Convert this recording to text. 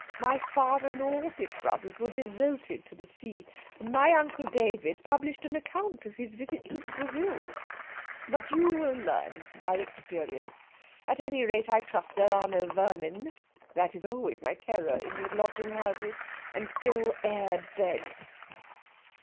My father and all his brothers were devoted to the sea, and my Uncle David published an account of his visit to the Brazils. But you will learn by experience. At any rate, I trust there are no vermin. That is always my terror in these lodging houses, and ill aired beds."